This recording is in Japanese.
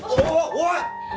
おい！